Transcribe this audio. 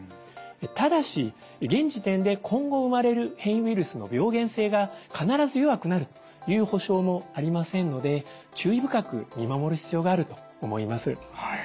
ただし現時点で今後生まれる変異ウイルスの病原性が必ず弱くなるという保証もありませんので注意深く見守る必要があると思います。